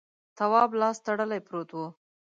تواب لاس تړلی پروت و.